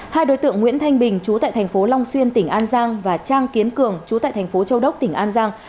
hai đối tượng nguyễn thanh bình chú tại thành phố long xuyên tỉnh an giang và trang kiến cường chú tại thành phố châu đốc tỉnh an giang